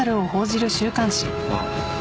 あっ。